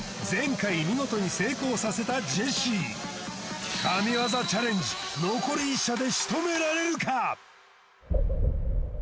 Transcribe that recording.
前回見事に成功させたジェシー神業チャレンジ残り１射でしとめられるか？